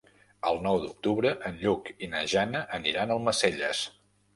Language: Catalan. El nou d'octubre en Lluc i na Jana aniran a Almacelles.